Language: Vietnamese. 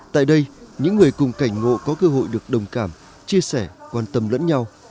tại đây những người cùng cảnh ngộ có cơ hội được đồng cảm chia sẻ quan tâm lẫn nhau